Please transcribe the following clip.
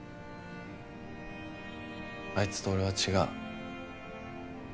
あいつと俺は違う。